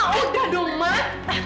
udah dong mata